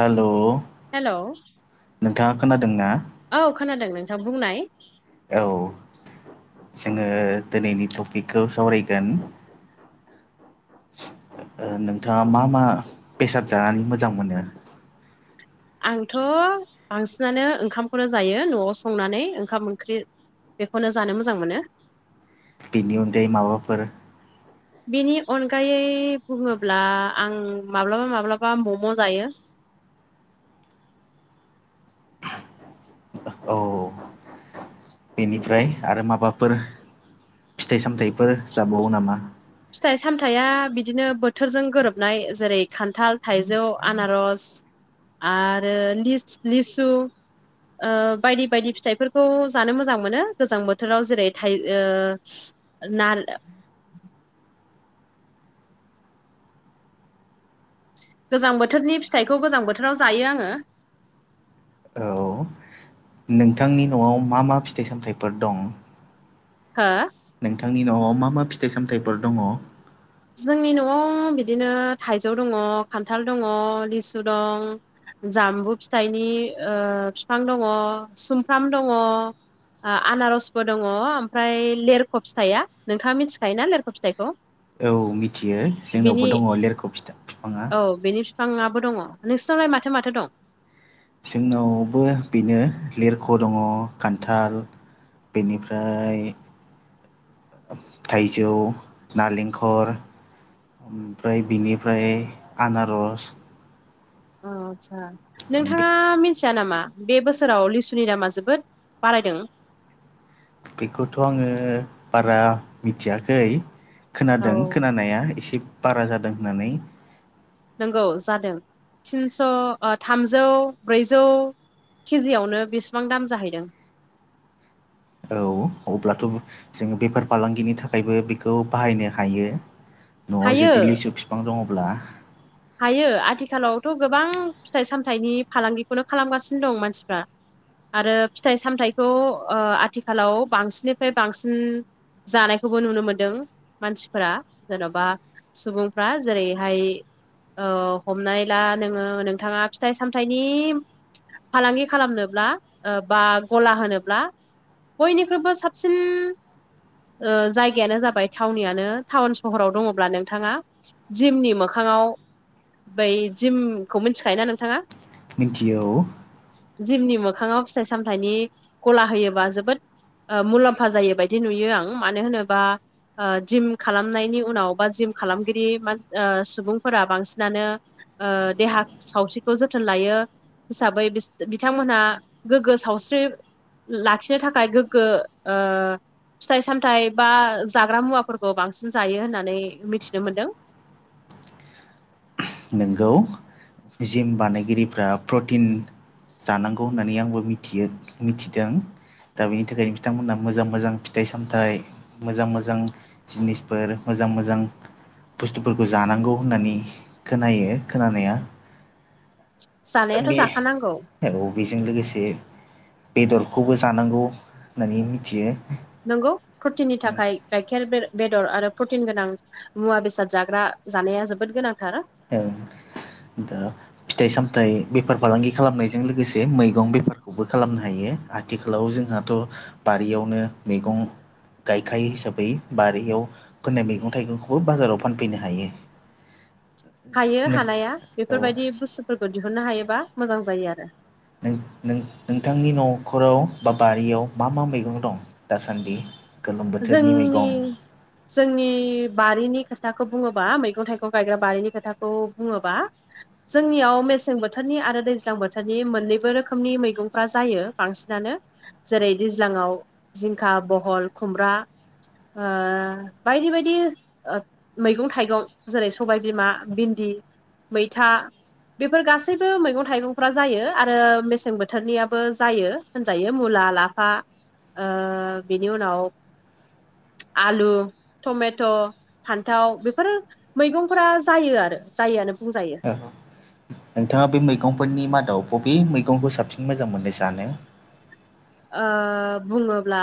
Hello hello नोंथाङा खोनादों ना औ खोनादों नोंथां बुंनाय औ जोङो दिनैनि टपिकखौ सावरायगोन ओ नोंथाङा मा मा बेसाद जानानै मोजां मोनो आंथ बांसिनानो ओंखामफोर जायो न'आव संनानै ओंखाम ओंख्रि बेखौनो जानो मोजां मोनो बेनि अनगायै माबाफोर बेनि अनगायै बुङोब्ला आं माब्लाबा माब्लाबा मम जायो औ बेनिफ्राय आरो माबाफोर फिथाइ सामथायफोर जाबावो नामा फिथाइ सामथाया बिदिनो बोथोरजों गोरोबनाय जेरै खान्थाल थाइजौ आनारस आरो लिस लिसु ओ बायदि बायदि फिथाइफोरखौ जानो मोजां मोनो गोजां बोथोराव जेरै थाइ ओ नार गोजां बोथोरनि फिथाइखौ गोजां बोथोराव जायो आङो औ नोंथांनि न'आव मा मा फिथाइ सामथाइफोर दं हो नोंथांनि न'आव मा मा फिथाइ सामथाइफोर दङ जोंनि न'आव बिदिनो थाइजौ दङ खान्थाल दङ लिसु दं जाम्बु फिथाइनि ओ बिफां दङ सुमफ्राम दङ ओ आनारसबो दङ ओमफ्राय लेरख फिथाया नोंथाङा मिथिखायोना लेरख फिथाइखौ औ मिथियो बिनि जोंनावबो दङ लेरख फिथा बिफाङा औ बेनि बिफांआबो दङ नोंसिनावलाय माथो माथो दं जोंनावबो बिनो लिरख दङ खान्थाल बेनिफ्राय थाइजौ नालेंखर ओमफ्राय बिनिफ्राय आनारस अ आतसा नोंथाङा मिथिया नामा बे बोसोराव लिसुनि दामा जोबोद बारायदों। बेखौथ' आङो बारा मिथियाखै। औ खोनादों खोनानाया एसे बारा जादों होननानै। नंगौ जादों तिनस थामजौ ब्रैजौ केजियावनो बेसेबां दाम जाहैदों। औ अब्लाथ' जोङो बेफार फालांगिनि थाखायबो बेखौ बाहायनो हायो। न'आव हायो जुदि लिसु बिफां दङब्ला। हायो आथिखालावथ गोबां फिथाइ सामथाइनि फालांगिखौनो खालामगासिनो दं मानसिफ्रा। आरो फिथाइ सामथाइखौ ओ आथिखालाव बांसिननिफ्राय बांसिन जानायखौबो नुनो मोनदों मानसिफोरा जेनबा सुबुंफ्रा जेरैहाय औ हमनानै ला नोङो नोंथाङा फिथाइ सामथाइनि फालांगि खालामनोब्ला बा गला होनोब्ला बयनिख्रुइबो साबसिन जायगायानो जाबाय थावनियानो टाउन सहराव दङब्ला नोंथाङा जिमनि मो मोखाङाव बै जिमखौ मिथिखायोना नोंथाङा? मिथियो औ जिमनि मोखाङाव फिथाइ सामथायनि गला होयोबा जोबोद ओ मुलाम्फा जायो बायदि नुयो आं मानो होनोबा ओ जिम खालामनायनि उनाव बा जिम खालामगिरि बा ओ सुबुंफोरा बांसिनानो ओ देहा सावस्रिखौ जोथोन लायो। हिसाबै बिथांमोनहा गोग्गो सावस्रि लाखिनो थाखाय गोग्गो ओ फिथाइ सामथायाइ बा जाग्रा मुवाफोरखौ बांसिन जायो होननानै मिथिनो मोन्दों। नोंगौ जिम बानायगिरिफ्रा प्रटिन जानांगौ होननानै आंबो मिथियो मिथिदों। दा बेनि थाखायनो बिथांमोनहा मोजां मोजां फिथाइ सामथाइ मोजां मोजां जिनिसफोर मोजां मोजां बुस्थुफोरखौ जानांगौ होननानै खोनायो खोनानाया। दा जानायाथ' बे जाखानांगौ। औ बेजों लोगोसे बेदरखौबो जानांगौ होननानै मिथियो। नंगौ प्रटिननि थाखाय गाइखेर बेदर आरो प्रटिन गोनां मुवा बेसाद जाग्रा जानाया जोबोद गोनांथार। ए दा फिथाइ सामथाइ बेफार फालांगि खालामनायजों लोगोसे मैगं बेफारखौबो खालामनो हायो आरो। आथिखालाव जोंहाथ' बारियावनो मैगं गायखायो हिसाबै बारियाव फोनाय मैगं थाइगंखौबो बाजाराव फानफैनो हायो। हायो नों हानाया औ बेफोरबायदि बुस्थुफोरखौ दिहुननो हायोबा मोजां जायो आरो। नों नों नोंथांनि न'खराव बा बारियाव मा मा मैगं दं दासान्दि? गोलोम बोथोरनि जोंनि मैगं जोंनि बारिनि खोथाखौ बुङोबा मैगं थाइगं गायग्रा बारिनि खोथाखौ बुङोबा जोंनियाव मेसें बोथोरनि आरो दैज्लां बोथोरनि मोननैबो रोखोमनि मैगंफ्रा जायो बांसिनानो। जेरै दैज्लाङाव जिंखा बहल खुमब्रा ओ बायदि बायदि मैगं थाइगं जेरै सबायबिमा भिन्दि मैथा बेफोर गासैबो मैगं थाइगंफ्रा जायो आरो मेसें बोथोरनियाबो जायो। होनजायो मुला लाफा ओ बेनि उनाव आलु टमेट' फान्थाव बेफोर मैगंफोरा जायो आरो जायोआनो बुंजायो। नोंथाङा बे मैगंफोरनि मादाव बबे मैगंखौ साबसिन मोजां मोनो जानो ओ बुङोब्ला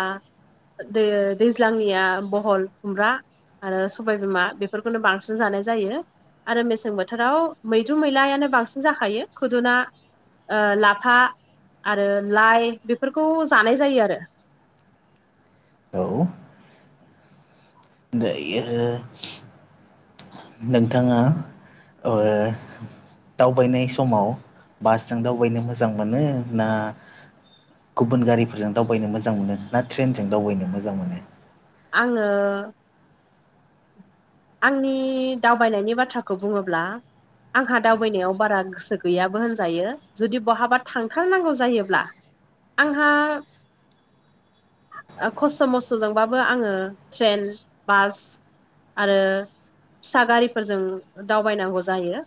दै ओ दैज्लांनिया बहल खुमब्रा आरो सबायबिमा बेफोरखौनो बांसिन जानाय जायो आरो मेसें बोथोराव मैद्रु मैलायानो बांसिन जाखायो खुदुना ओ लाफा आरो लाइ बेफोरखौ जानाय जायो आरो औ दायो नोंथाङा ओ दावबायनाय समाव बासजों दावबायनो मोजां मोनो ना गुबुन गारिफोरजों दावबायनो मोजां मोनो ना ट्रेनजों दावबायनो मोजां मोनो आङो आंनि दावबायनायनि बाथ्राखौ बुङोब्ला आंहा दावबायनायाव बारा गोसो गैयाबो होनजायो जुदि बहाबा थांथारनांगौ जायोब्ला आंहा खस्थ मस्थजोंबाबो आङो ट्रेन बास आरो फिसा गारिफोरजों दावबायनांगौ जायो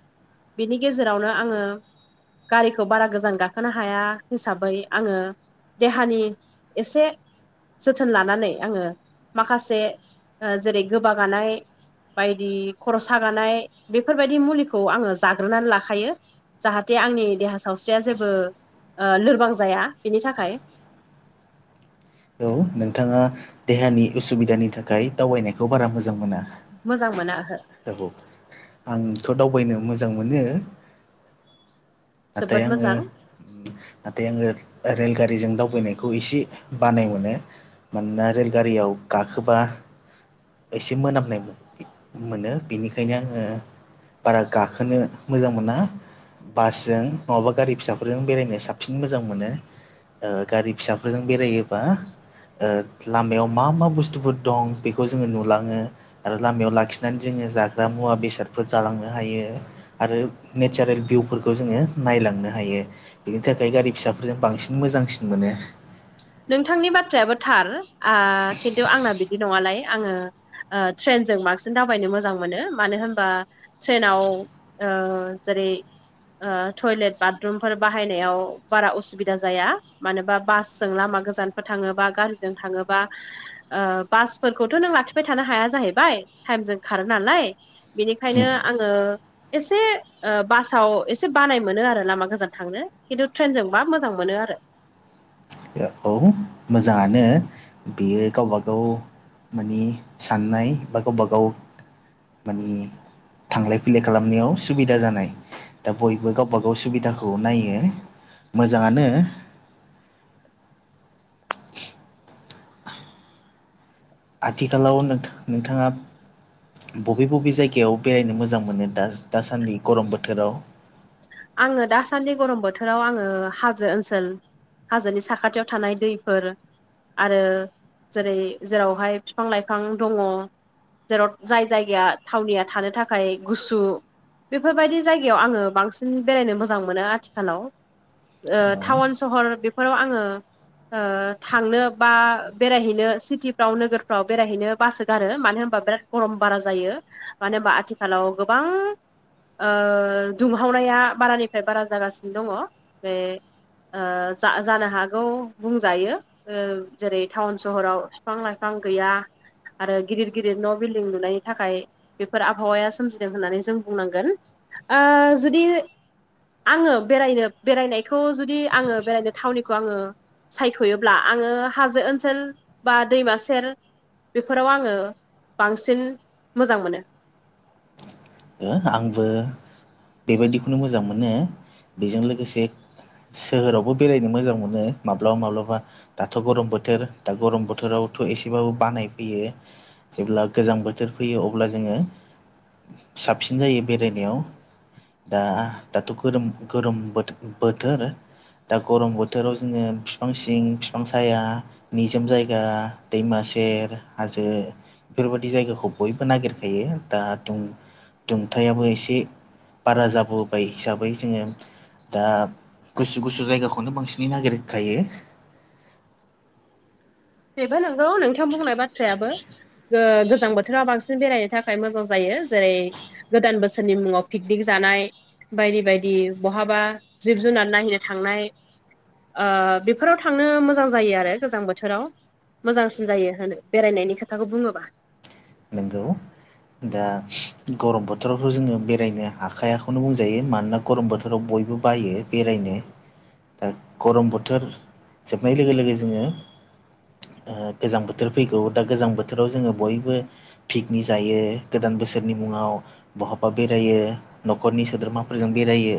बिनि गेजेरावनो आङो गारिखौ बारा गोजान गाखोनो हाया हिसाबै आङो देहानि एसे जोथोन लानानै आङो माखासे ओ जेरै गोबागानाय बायदि खर सागानाय बेफोरबायदि मुलिखौ आङो जाग्रोननानै लाखायो जाहाथे आंनि देहा सावस्रिया जेबो ओ लोरबां जाया बेनि थाखाय औ नोंथाङा देहानि उसुबिदानि थाखाय दावबायनायखौ बारा मोजां मोना मोजां मोनो ओहो औ आंथ दावबायनो मोजां मोनो नाथाय जोबोद आङो मोजां नाथाय आङो रेलगारिजों दावबायनायखौ एसे बानाय मोनो मानोना रेलगारियाव गाखोबा एसे मोनामनाय मो मोनो बिनिखायनो आङो बारा गाखोनो मोजां मोना बासजों नङाबा गारि फिसाफोरजों बेरायनो साबसिन मोजां मोनो ओ गारि फिसाफोरजों बेरायोबा ओ लामायाव मा मा बुस्थुफोर दं बेखौ जोङो नुलाङो आरो लामायाव लाखिनानै जोङो जाग्रा मुवा बेसादफोर जालांनो हायो आरो नेचारेल भिउफोरखौ जोङो नायलांनो हायो बिनि थाखाय गारि फिसाफोरजों बांसिन मोजांसिन मोनो नोंथांनि बाथ्रायाबो थार आ खिन्थु आंना बिदि नङालाय आङो ओ ट्रेनजों बांसिन दावबायनो मोजां मोनो मानो होनबा ट्रेनाव ओ जेरै ओ टयलेट बाथरुमफोर बाहायनायाव बारा असुबिदा जाया मानोबा बास जों लामा गोजानफोर थाङोबा गारिजों थाङोबा ओ बासफोरखौथ नों लाखिबाय थानो हाया जाहैबाय टाइमजों खारो नालाय बेनिखायनो आङो एसे बासाव एसे बानाय मोनो आरो लामा गोजान थांनो खिन्थु ट्रेनजोंबा मोजां मोनो आरो औ मोजाङानो बेयो गावबाागाव माने साननाय बा गावबाागाव माने थांलाय फैलाय खालामनायाव सुबिदा जानाय दा बयबो गावबा गाव सुबिदाखौ नायो मोजाङानो आथिखालाव नोंथाङा बबे बबे जायगायाव बेरायनो मोजां मोनो दा दासान्दि गरम बोथोराव आङो दासान्दि गरम बोथोराव आङो हाजो ओनसोल हाजोनि साखाथियाव थानाय दैफोर आरो जेरै जेरावहाय बिफां लाइफां दङ जेराव जाय जायगाया थावनिया थानो थाखाय गुसु बेफोरबायदि जायगायाव आङो बांसिन बेरायनो मोजां मोनो आथिखालाव औ टाउन सहर बेफोराव आङो थांनो बा बेरायहैनो सिटिफ्राव नोगोरफ्राव बेरायहैनो बासोगारो मानो होनबा बिराद गरम बारा जायो मानो हबा आथिखालाव गोबां दुं हावनाया बारानिफ्राय बारा जागासिनो दङ बे ओ जा जानो हागौ बुंजायो ओ जेरै टाउन सहराव बिफां लाइफां गैया आरो गिदिर गिदिर न' बिल्डिं लुनायनि थाखाय बेफोर आबहावाया सोमजिदों होननानै जों बुंनांगोन जुदि आङो बेरायनो बेरायनायखौ जुदि आङो बेरायनो थावनिखौ आङो सायख'योब्ला आङो हाजो ओनसोल बा दैमा सेर बेफोराव आङो बांसिन मोजां मोनो आंबो बेबायदिखौनो मोजां मोनो बेजों लोगोसे सोहोरावबो बेरायनो मोजां मोनो माब्लाबा माब्लाबा दाथ' गरम बोथोर दा गरम बोथोरावथ' एसेबाबो बानाय फैयो जेब्ला गोजां बोथोर फैयो अब्ला जोङो साबसिन जायो बेरायनायाव दा दाथ' गोरोम गोरोम बोथोर दा गरम बोथोराव जोङो बिफां सिं बिफां साया निजोम जायगा दैमा सेर हाजो बेफोरबायदि जायगाखौ बयबो नागिरखायो दा जों दुमथायाबो एसे बारा जाबोबाय हिसाबै जोङो दा गुसु गुसु जायगाखौनो बांसिनै नागिरखायो बेबो नंगौ नोंथां बुंनाय बाथ्रायाबो गोजां बोथोराव बांसिन बेरायनो थाखाय मोजां जायो जेरै गोदान बोसोरनि मुङाव पिकनिक जानाय बायदि बायदि बहाबा जिब जुनार नायहैनो थांनाय बेफोराव थांनो मोजां जायो आरो गोजां बोथोराव मोजांसिन जायो होनो बेरायनायनि खोथाखौ बुङोब्ला नोंगौ दा गरम बोथोरावथ' जोङो बेरायनो हाखायाखौनो बुंजायो मानोना गरम बोथोराव बयबो बायो बेरायनो दा गरम बोथोर जोबनाय लोगो लोगो जोङो गोजां बोथोर फैगौ दा गोजां बोथोराव जोङो बयबो पिकनिक जायो गोदान बोसोरनि मुङाव बहाबा बेरायो न'खरनि सोद्रोमाफोरजों बेरायो